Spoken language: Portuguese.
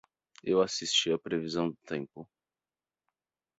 Eu assisti a previsão do tempo.